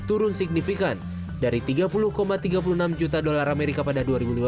turun signifikan dari tiga puluh tiga puluh enam juta dolar amerika pada dua ribu lima belas